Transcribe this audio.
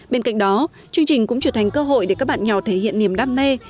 bên cạnh đó chương trình cũng trở thành cơ hội để các bạn nhỏ thể hiện niềm đam mê